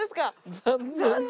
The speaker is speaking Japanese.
残念。